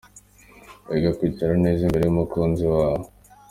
Iga kwicara neza imbere y’umukunzi wawe.